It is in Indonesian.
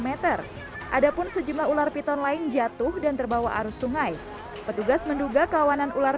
meter ada pun sejumlah ular piton lain jatuh dan terbawa arus sungai petugas menduga kawanan ular